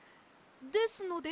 ですので。